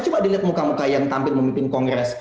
coba dilihat muka muka yang tampil memimpin kongres